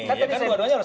kan tadi dua duanya harus